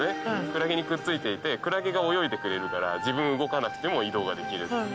クラゲにくっついていてクラゲが泳いでくれるから自分動かなくても移動ができる。